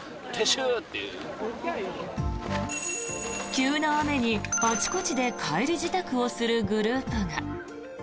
急な雨にあちこちで帰り支度をするグループが。